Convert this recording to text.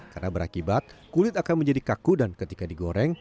karena berakibat kulit akan menjadi kaku dan ketika digoreng